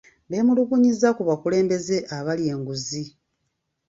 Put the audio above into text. Beemulugunyizza ku bakulembeze abalya enguzi.